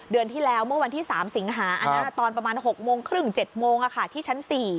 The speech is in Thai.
เดือนที่แล้วเมื่อวันที่๓สิงหาตอนประมาณ๖โมงครึ่ง๗โมงที่ชั้น๔